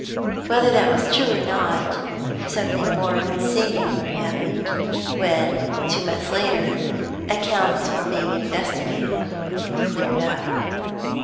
Whether that was true or not, something more than singular happened when, some two months later, accounts were being investigated and cleared up.